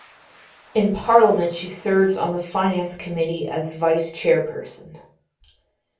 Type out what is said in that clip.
In parliament she serves on the finance committee as vice chairperson